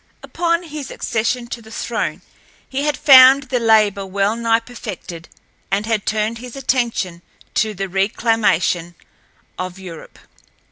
Upon his accession to the throne he had found the labor well nigh perfected and had turned his attention to the reclamation of Europe.